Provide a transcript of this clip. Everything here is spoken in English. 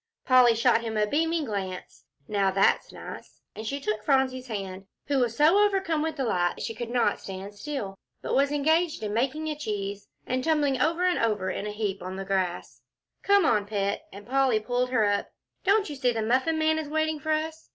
Polly shot him a beaming glance. "Now that's nice," and she took Phronsie's hand, who was so overcome with delight she could not stand still, but was engaged in making a cheese, and tumbling over in a heap on the grass. "Come on, Pet," and Polly pulled her up, "don't you see the Muffin Man is waiting for us?"